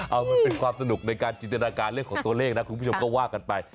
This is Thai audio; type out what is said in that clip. เอามันเป็นความสนุกในการจินตนาการเรื่องของตัวเลขนะคุณผู้ชมก็ว่ากันไป